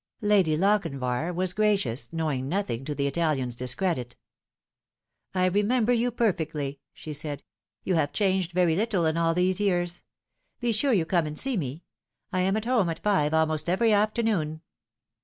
Lady Lochinvar was gracious, knowing nothing to the Italian's discredit. " I remember you perfectly," she said. " You have changed very little in all these years. Be sure you come and see me. I am at home at five almost every afternoon."